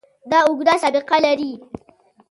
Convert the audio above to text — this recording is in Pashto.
دا اوږده سابقه لري.